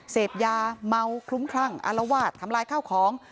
เสพยาเมาคลุ้มคลั่งอารวาสทำลายข้าวของ